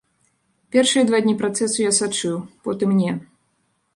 Першыя два дні працэсу я сачыў, потым не.